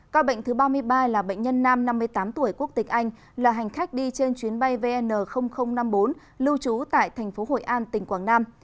ca bệnh thứ ba mươi ba là bệnh nhân nam năm mươi tám tuổi quốc tịch anh là hành khách đi trên chuyến bay vn năm mươi bốn lưu trú tại thành phố hội an tỉnh quảng nam